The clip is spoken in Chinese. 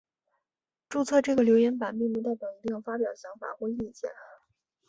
注册这个留言版并不代表一定要发表想法或意见。